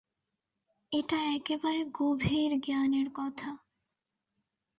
এটা একেবারে গভীর জ্ঞানের কথা।